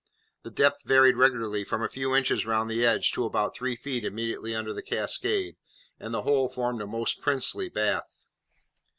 The depth varied regularly from a few inches round the edge to about three feet immediately under the cascade, and the whole formed a most princely bath.